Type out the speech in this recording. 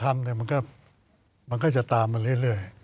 มันก็จะตามมาเรื่อย